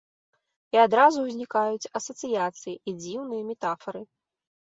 І адразу ўзнікаюць асацыяцыі і дзіўныя метафары.